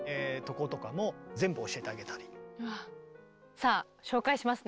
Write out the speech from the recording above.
さあ紹介しますね。